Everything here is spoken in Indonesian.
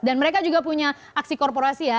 dan mereka juga punya aksi korporasi ya